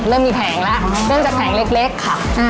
เริ่มมีแผงแล้วเริ่มจากแผงเล็กค่ะ